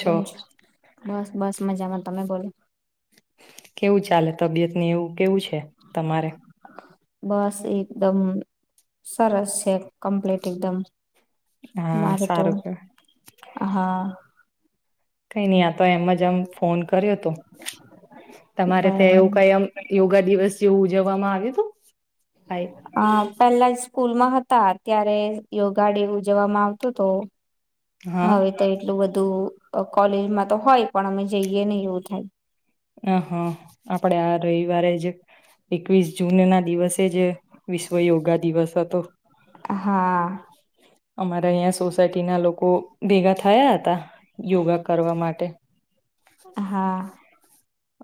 કેમ છ બસ બસમાંજામાં તમે બોલો. કેવું ચાલે તબિયત ની એવું કેવું છે તમારે? બસ એકદમ સરસ છે કમ્પ્લીટ એકદમ. હા મારે તો સારું કે હા કઈ નહ આતો એમ જમ ફોન કર્યો હતો તમારે ત્યા બરાબર. એવું કઈ એમ યોગા દિવસ જેવું ઉજવવામાં આવે હતું. કઈ હા પહેલા જ સ્કૂલ માં હતા ત્યારે યોગા ડે ઉજવવામાં આવતો હતો. હા હવે તો એટલું બધું કોલેજમાં તો હોય પણ અમે જઈએ નહી એવું થાય. હ હા આપડે રવિવારે જ એકવીસ જૂન ના દિવસે જ વિશ્વ યોગા દિવસ હતો. હા. અમારા અહીં સોસાયટી ના લોકો ભેગા થયા હતા યોગા કરવા માટે. હા.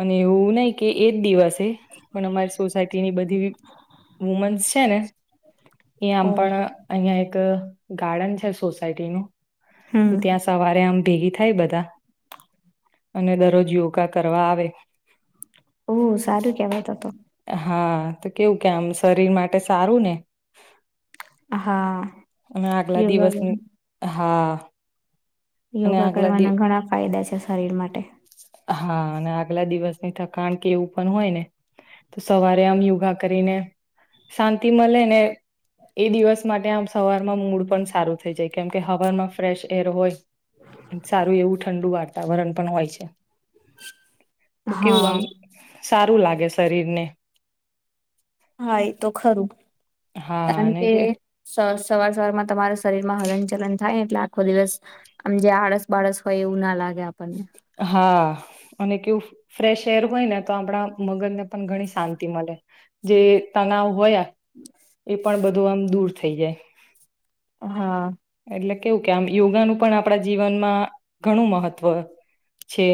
અને એવું નહી કે એજ દિવસ. તે પણ અમારી સોસાયટીની બધી વુમન્સ છેને એ આમ ઓહ પણ અહિયાં એક ગાર્ડન છે સોસાયટીનું. ત હમ ત્યાં સવારે આમ ભેગી થાય બધા અને દરરોજ યોગા કર કરવા આવે. ઓહ સારું કેવાય તો તો હા તો કેવું કે આમ શરીર માટે સારું ને. હા. અમે આગલા યોગા દિવસની હા. અને યોગા આગલા દિવ કરવાના ઘણા ફાયદા છે શરીર માટે. હા અને આગલા દિવસની થકાણ કે એવું પણ હોય ને તો સવારે આમ યોગા કરીને શાંતિ મળે ને એ દિવસ માટે આમ સવારમાં મૂડ પણ સારું થઈ જાય કેમ કે હવામાં ફ્રેશ એર હોય સારું એવું ઠંડુ વાતાવરણ પણ હોય છે. તો કેવું આમ હા સારું લાગે શરીરને. હા એ તો ખરું. હા કારણ અને કે સસ સવાર સવારમાં તમારા શરીરમાં હલન ચલન થાયને એટલે આખો દિવસ આમ જે આળસ બાળસ હોય એવું ના લાગે આપણને. હા અને કેવું ફ્રેશ એર હોય ને તો આપણા મગજને પણ ઘણી શાંતિ મળે જે તનાવ હોયા એ પણ બધું આમ દૂર થઈ જાય. હા. એટલે કેવું કે આમ યોગાનું પણ આપણા જીવનમાં ઘણું મહત્વ છે.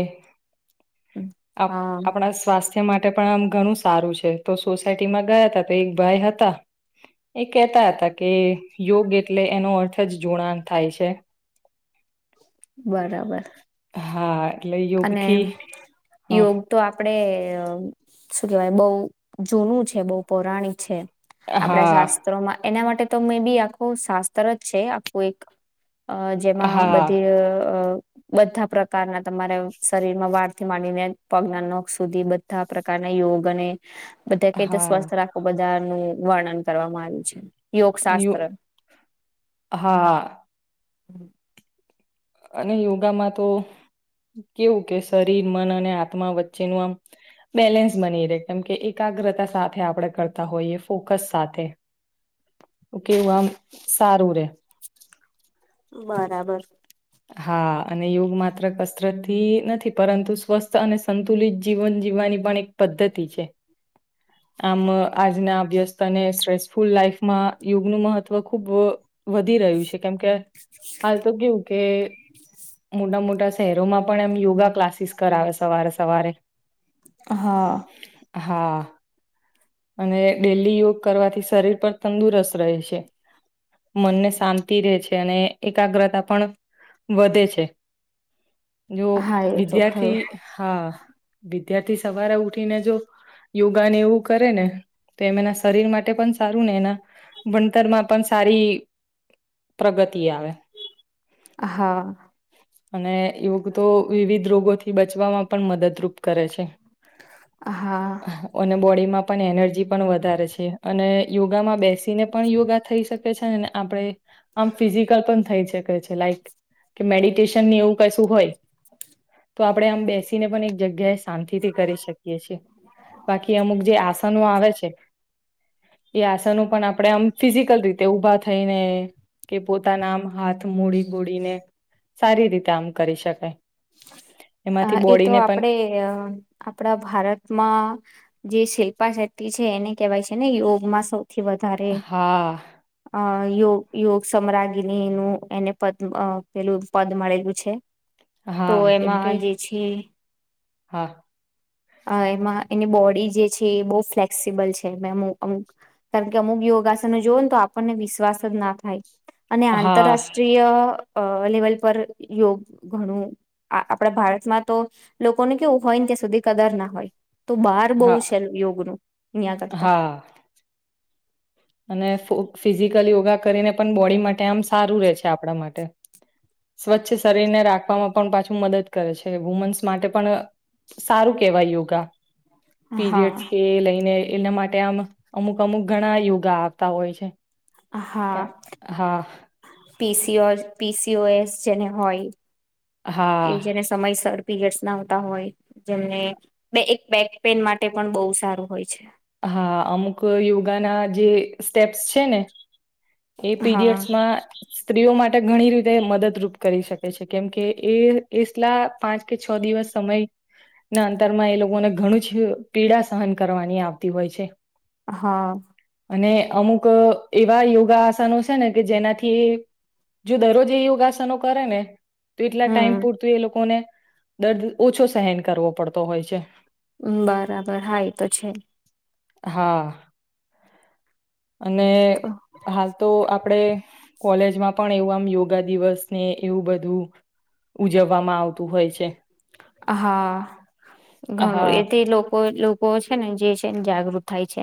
આપ હા આપણા સ્વાસ્થ્ય તે માટે પણ આમ ઘણું સારું છે તો સોસાયટીમાં ગયા હતા તો એક ભાઈ હતા એ કેહેતા હતા કે યોગ એટલે એનો અર્થ જ જુણાણ થાય છે. બરાબર. હા એટલે અને યોગથી હ યોગ તો આપડે અ શું કેવાય બહુ જૂનું છે બહુ પૌરાણિક છે. આપડા હા શાસ્ત્રોમાં એના માટે તો મે બી આખું શાસ્ત્ર જ છે આખું એક. અ જેમાં હા બધી અ બધા પ્રકારના તમારે શરીર માં વાળ થી માંડીને પગ ના નક સુધી બધા પ્રકારના યોગ અને બધા કઈ તો હા સ્વસ્થ રાખવ બધાનું. વર્ણન કરવામાં આવ્યું છે. યોગ અને શાસ્ત્ર હા હમ અને યોગામાં તો કેવું કે શરીર મન અને આત્મા વચ્ચેનું આમ બેલેન્સ બની રહે કેમકે એકાગ્રતા સાથે આપણે કરતા હોઈએ ફોકસ સાથે કેવું આમ સારું રે. બરાબર હા અને યોગ માત્ર કસરતથી નથી પરંતુ સ્વસ્થ અને સંતુલિત જીવન જીવવાની પણ એક પદ્ધતિ છે આમ આજના અભ્યસ્ત અને સ્ટ્રેસફુલ લાઈફમાં યોગનું મહત્વ ખુબ વધી રહ્યું છે કેમ કે હાલ તો ગયવું કે મોટા મોટા શહેરોમાં પણ એમ યોગા ક્લાસીસ કરાવે સવારે સવારે. હા. હા અને ડેલી યોગ કરવાથી શરીર પર તંદુરસ્ત રહે છે. મનને શાંતિ રહે છે અને એકાગ્રતા પણ વધે છે. જો હા એ તો ખરું વિદ્યાર્થી હા વિદ્યાર્થી સવારે ઉઠીને જો યોગાને એવું કરે ને તો એમ એના શરીર માટે પણ સારું ને એના ભણતરમાં પણ સારી પ્રગતિ આવે હા. અને યોગ તો વિવિધ રોગોથી બચવામાં પણ મદદરૂપ કરે છે. હા અને બોડીમાં પણ એનર્જી પણ વધારે છે અને યોગામાં બેસ્ટ તેને પણ યોગા થઈ શકે કે છે ને આપડે આમ ફિઝિકલ પણ થાય છે. થઈ શકે છે લાઈટ કે મેડિટેશનની એવું કશું હોય, તો આપડે આમ બેસીને પણ એક જગ્યાએ શાંતિથી કરી શકીએ છીએ, બાકી અમુક જે આસનો આવે છે એ આસનો પણ આપડે આમ ફિઝિકલ રીતે ઉભા થઈને કે પોતાના આમ હાથ મડી બોડીને સારી રીતે આમ કરી શકાય. એમાંથી અહ એ તો બોડીને પણ આપડે અહ આપડા ભારતમાં જે શિલ્પા શેટ્ટી છે એને કેહેવાય છે ને યોગમાં સૌ થી વધારે હા અહ અહ યો યોગ સામ્રાગીની નું એને પદ અહ પેલું પદ મળેલું છે. તો હા કેમ કે એમાં જે છે હા. અ એમાં એની બોડી જે છે એ બહુ ફ્લેક્સિબલ છે અમુક અમુક કારણ કે અમુક યોગાસનો જોવો ને તો આપણને વિશ્વાસ જ ના થાય. અને હા આંતરરાષ્ટ્રીય અ લેવલ પર યોગ ઘણું આપણા ભારતમાં તો લોકોનું કેવું હોય ને ત્યાં સુધી કદર ના હોય. તો બહાર બહુ હા છે યોગનું અહયા કરતા હા અને ફિઝિકલ યોગા કરીને પણ બોડી માટે આમ સારું રે છે આપણા માટે સ્વચ્છ શરીરને રાખવામાં પણ પાછું મદદ કરે છે વુમન્સ માટે પણ સારું કેહેવાય યોગા. પીરિયડ્સ હા કે લઈને એના માટે આમ અમુક અમુક ઘણા યોગા આવતા હોય છે. હા પીસી પીસીઓ એસ જેને હોય કે હા જેને સમયસર પીરયડ્સ ના આવતા હોય જેમને એક બેક પેન માટે પણ બહુ સારું હોય છે. હા અમુક યોગાના જે સ્ટેપ્સ છે ને એ હા પીરિયડ્સ માં સ્ત્રીઓ માટે માટે ઘણી રીતે મદદરૂપ કરી શકે છે કેમકે એ એલા પાંચ કે છ દિવસ સમય ના અંતરમાં એ લોકોને ઘણું જ પીડા સહન કરવાની આવતી હોય છે. હા અને અમુક એવા યોગ યોગાસનો છે ને કે જેનાથી જો દરરોજ એ યોગાસનો કરે ને તો એટલા ટાઈમ હમ પૂરતું એ લોકો ને દર્દ ઓછો સહેન કરવો પડતો હોય છે. બરાબર હા એ તો છે. હા અને તો હાલ તો આપ આપણે કોલેજમાં પણ એવું આમ યોગા દિવસ ને એવું બધું ઉજવવામાં આવતું હોય છે. હા ઘણું હા એથી લોકો લોકો છે ને જે છે ને જાગૃત થાય છે.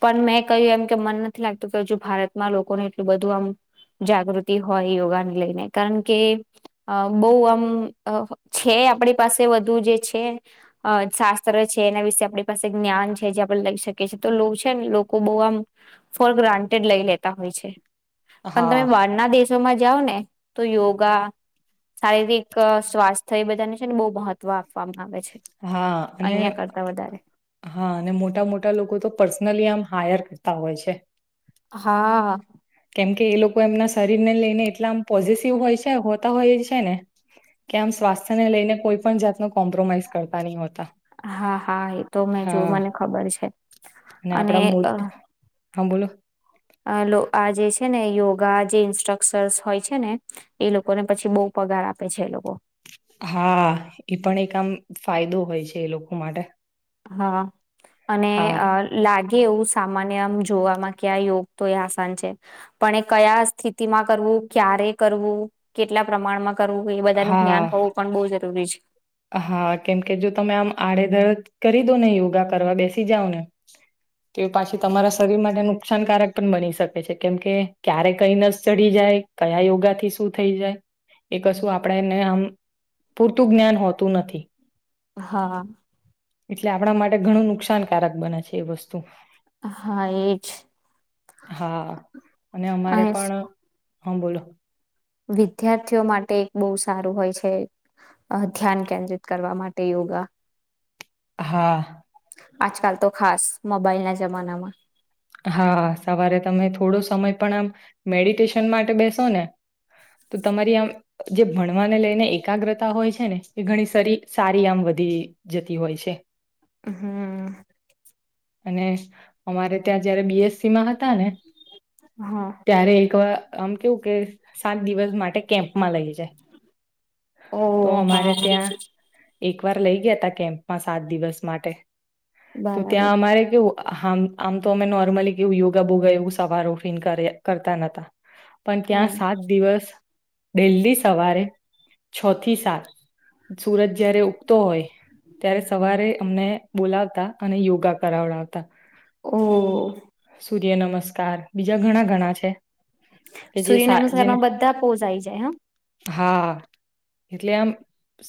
પણ મેં કહ્યું એમ કે મન નથી લાગતું કે હજુ ભારતમાં લોકોને એટલું બધું આમ જાગૃતિ હોય યોગાને લઈને કારણ કે બહુ આમ છે આપણી પાસે વધુ જે છે શાસ્ત્ર છે એના વિશે આપણી પાસે જ્ઞાન છે જે આપણે લઈ શકીએ છેએ તો છે ને લોકો બહુ આમ ફોર ગ્રાન્ટેડ લઈ લેતા હોય છે. પણ હા તમે બાર ના દેશોમાં જ જાઓ ને તો યોગા શારીરિક સ્વાસ્થ્ય તો એ બધાને છે ને બહુ મહત્વ આપવામાં આવે છે. હા અને અહીંયા કરતા વધારે. હા અને મોટા મોટા લોકો તો પર્સનલી આમ હાયર કરતા હોય છે. હા કેમકે એ લોકો એમના શરીરને લઈને એટલા આમ પોઝેસિવ હોય છે હોતા હોય છે ને કે આમ સ્વાસ્થ્યને લઈને કોઈ પણ જાતનો કોમ્પ્રોમાઈઝ કરતા નહીં હોતા. હા હા એ તો મેં જો હા મને ખબર છે અને આપડા મુ અહ હા બોલો. અહ લો આ જે છે ને યોગા જે ઇન્સ્ટ્રક્સર્સ હોય છે ને એ લોકોને પછી બહુ પગાર આપે છે એ લોકો. હા, એ પણ એક આમ ફાયદો હોય છે એ લોકો માટે. હા. અને હા અહ લાગે ઉસ સામાન્ય આમ જોવામાં ક્યા યોગ તો એ આસાન છે પણ એ કયા સ્થિતિમાં કરવું ક્યારે કરવું કેટલા પ્રમાણમાં કરવું એ બધા નું હા ધ્યાન હોવું પણ બહુ જરૂરી છે. હા, કેમકે જો તમે આમ આડેધડ કરી દો ને યોગા કરવા બેસી જાઓ ને તો એ પાછી તમારા શરીર માટે નુકસાનકારક પણ બની શકે છે કેમકે ક્યારે કઈ નસ ચડી જાય કયા યોગાથી શું થઈ જાય એ કશું આપણેને આમ પૂરતું જ્ઞાન હો તું નથી. હા. એટલે આપણા માટે ઘણું નુકસાનકારક બને છે એ વસ્તુ. હા એજ. હા અને અમારે [unintelligible] પણ હા બોલો? વિદ્યાર્થીઓ માટે એક બહુ સારું હોય છે, અહ ધ્યાન કેન્દ્રિત કરવા માટે યોગા. હા. આજકાલ તો ખાસ મોબાઈલના જમાનામાં હા. સવારે તમે થોડો સમય પણ આમ મેડિટેશન માટે બેસો ને તો તમારી આમ જે ભણવાને લઈને એકાગ્રતા હોય છે, ને એ ઘણી સરી સારી આમ વધી જતી હોય છે. હમ્મ. અને અમારે ત્યાં જયારે બી એસ સી માં હતા ને હા ત્યારે એકવા આમ કેવું કે સાત દિવસ માટે કેમ્પ માં લઈ જાય, ઓ તો અમારે હા ત્યાં એક વાર લઈ ગયા તા કેમ્પમાં સાત દિવસ માટે તો બરાબર ત્યાં અમારે કેવું હમ આમ તો અમે નોર્મલી કેવું યોગા બોગા એવું સવાર ઉઠીને કરે, કરતા નતા પણ ત્યાં હમ સાત દિવસ ડેઈલી સવારે છ થી સાત સુરજ ત્યારે ઉગતો હોય, ત્યારે સવારે અમને બોલાવતા અને યોગા કરાવડાવતા. ઓ સૂર્ય નમસ્કાર બીજા ઘણા ઘણા છે. કે જે સૂર્ય સા જેને નમસ્કારમાં બધા પોઝ આઈ જાય હા. હા, એટલે આમ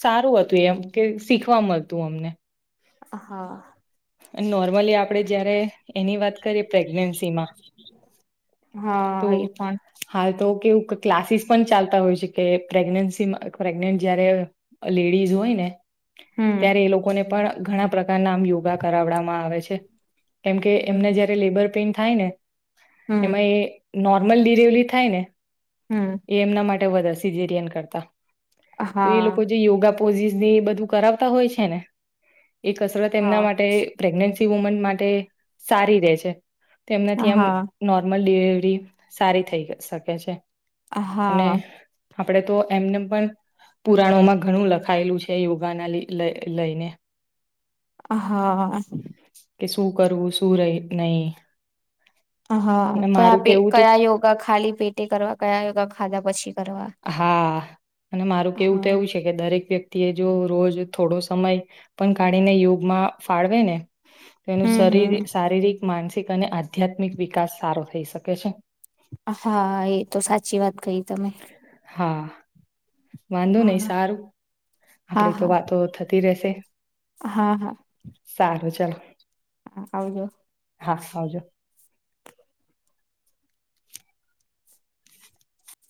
સારું હતું એમ કે શીખવા મલતું અમને. હા. અને નોર્મલી આપડે જયારે એની વાત કરીએ પ્રેગસીમાં. તો હા એ પણ હાલ તો કેવું ક્લાસીસ પણ ચાલતા હોય છે કે પ્રેગ્નન્સીમાં પ્રેગનેન્ટ જયારે લેડીઝ હોય ને ત્યારે એ લોકોને પણ ઘણા પ્રકારના આમ યોગા કરાવડામાં આવે છે. તેમ કે એમને હમ જયારે લેબર પેન થાય ને એમાં હમ એ નોર્મલ ડિલવરી થાય ને હમ એ એમના માટ વધ સીજેરયન કરતા. તો એ લોકો હા જે યોગા પોઝિસ ની બધું કરાવતા હોય છે ને. એ કસરત હા એમના માટે પ્રેગ્નેન્સી વુમન માટે સારી રે છે. એનાથી આમ હા નોર્મલ સારી થઈ શકે છે. હ અને હા આપણે તો એમને પણ પુરાણોમાં ઘણું લખાયેલું છે યોગાના લઈને હા કે શું કરવું શું નહી. હા કયા મારું પે કેવું તો કયા યોગા ખાલી પેટે કરવા કયા યોગા ખાધા પછી. કરવા હા અને મારું કેવું તો હા એવું છે કે દરેક વ્યક્તિ તે જો રોજ થોડો સમય પણ કાઢીને યુગમાં ફાળવે ને. તેનું હમ શરીર હમ શારીરિક માનસ તીક અને આધ્યાત્મિક વિકાસ સારો થઈ શકે છે. હા, એ તો સાચી વાત કઈ તમે. હા વાંધો હા નહી સારું હા આપડે તો હા વાતો થતી રે છે. હા હા. ચાલો હા આવજો. હા આવજો.